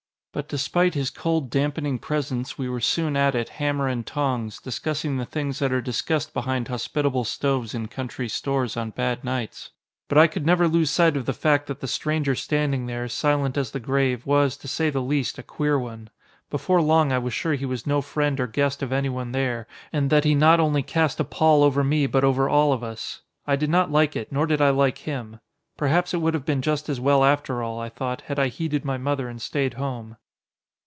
But despite his cold, dampening presence we were soon at it, hammer and tongs, discussing the things that are discussed behind hospitable stoves in country stores on bad nights. But I could never lose sight of the fact that the stranger standing there, silent as the grave, was, to say the least, a queer one. Before long I was sure he was no friend or guest of anyone there, and that he not only cast a pall over me but over all of us. I did not like it, nor did I like him. Perhaps it would have been just as well after all, I thought, had I heeded my mother and stayed home.